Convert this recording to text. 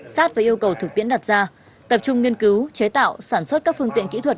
sát với yêu cầu thực tiễn đặt ra tập trung nghiên cứu chế tạo sản xuất các phương tiện kỹ thuật